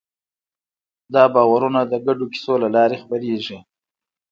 دا باورونه د ګډو کیسو له لارې خپرېږي.